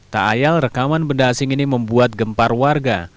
tak ayal rekaman benda asing ini membuat gempar warga